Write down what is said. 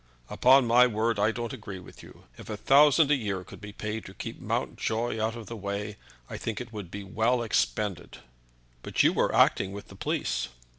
"Upon my word I don't agree with you. If a thousand a year could be paid to keep Mountjoy out of the way I think it would be well expended." "But you were acting with the police."